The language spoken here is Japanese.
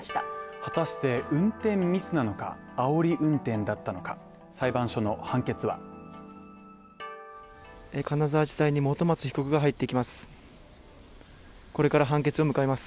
果たして、運転ミスなのか、あおり運転だったのか、裁判所の判決は金沢地裁に本松被告が入ってきます。